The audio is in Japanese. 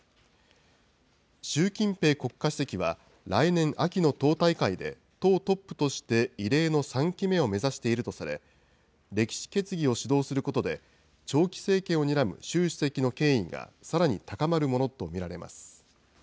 習近平国家主席は、来年秋の党大会で党トップとして異例の３期目を目指しているとされ、歴史決議を主導することで、長期政権をにらむ習主席の権威がさらに高まるものと見られます。